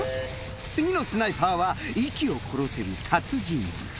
次のスナイパーは息を殺せる達人。